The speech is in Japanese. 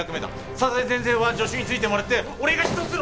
佐々井先生は助手についてもらって俺が執刀する。